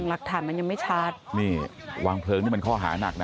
หลักฐานมันยังไม่ชัดนี่วางเพลิงนี่มันข้อหานักนะ